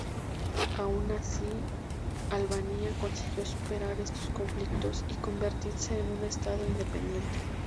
Aun así, Albania consiguió superar estos conflictos y convertirse en un estado independiente.